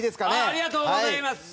ありがとうございます！